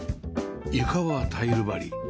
床はタイル張り